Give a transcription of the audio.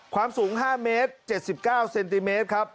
ความสูง๕เมตร๗๙เซนติเมตรครับ